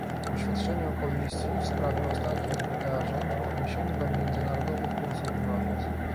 oświadczeniem Komisji w sprawie ostatnich wydarzeń w odniesieniu do międzynarodowych kursów walut